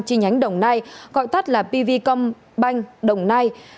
chi nhánh đồng nai gọi tắt là pv com banh đồng nai